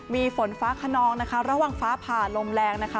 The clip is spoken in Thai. มีฝนฟ้าขนองนะคะระหว่างฟ้าผ่าลมแรงนะคะ